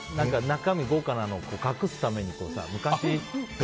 中身、豪華なのを隠すために、昔。